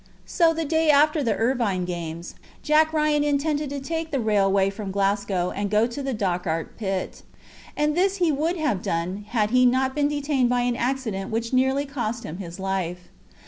So, the day after the Irvine games, Jack Ryan intended to take the railway from Glasgow and go to the Dochart pit; and this he would have done had he not been detained by an accident which nearly cost him his life.